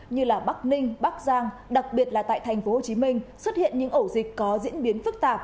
như bắc ninh bắc giang đặc biệt là tại tp hcm xuất hiện những ổ dịch có diễn biến phức tạp